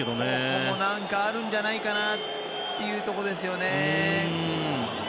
ここも何かあるんじゃないかなってところですよね。